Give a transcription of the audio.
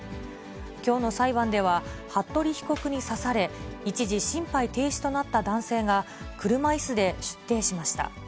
きょうの裁判では、服部被告に刺され、一時心肺停止となった男性が、車いすで出廷しました。